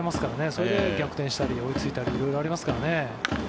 それで逆転したり追いついたり色々ありますからね。